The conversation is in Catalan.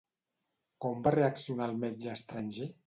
Com va reaccionar el metge estranger?